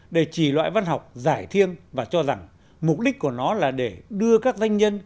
để chỉ loại văn học giải thiêng và cho rằng mục đích của nó là để đưa các doanh nhân